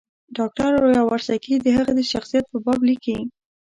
ډاکټر یاورسکي د هغه د شخصیت په باب لیکي.